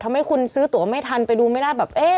ทำให้คุณซื้อตัวไม่ทันไปดูไม่ได้แบบเอ๊ะ